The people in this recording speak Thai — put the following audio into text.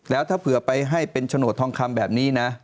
แล้วถ้าเผื่อไปให้เป็นโฉนดทองคำแบบนี้นะ